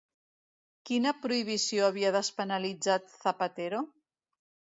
Quina prohibició havia despenalitzat Zapatero?